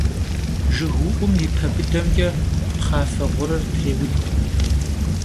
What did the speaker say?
Jjıgıu'um yi pe bıdemç'e pxhafe ğurır trêud.